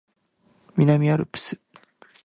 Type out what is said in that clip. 南アルプス